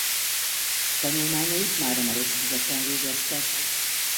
Tanulmányait Máramarosszigeten végezte.